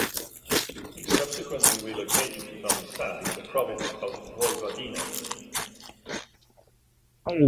He subsequently relocated to Novi Sad in the province of Vojvodina.